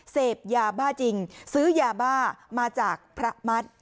เสพยาบ้าจริงซื้อยาบ้ามาจากพระมัติ